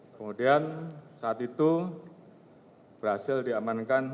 kemudian saat itu berhasil diamankan